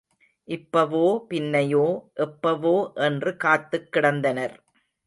இப்பவோ பின்னையோ எப்பவோ என்று காத்துக் கிடந்தனர்.